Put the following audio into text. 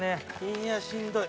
いやしんどい。